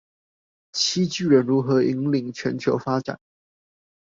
七巨人如何引領全球發展